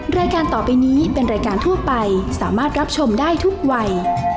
รายการต่อไปนี้เป็นรายการทั่วไปสามารถรับชมได้ทุกวัย